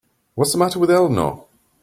What's the matter with Eleanor?